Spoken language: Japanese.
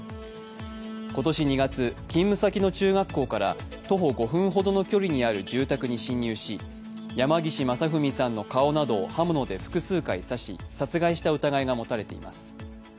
今年２月、勤務先の中学校から徒歩５分ほどの距離にある住宅に侵入し、山岸正文さんの顔などを刃物で複数回刺し、殺害した疑いが持たれています。